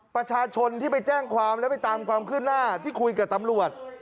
ประชาชนที่ไปแจ้งความแล้วไปตามความคืบหน้าที่คุยกับตำรวจ